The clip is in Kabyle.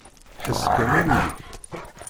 Ḥess kan i wul-ik!